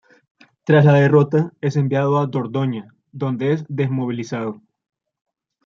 Tras la derrota, es enviado a Dordoña, donde es desmovilizado.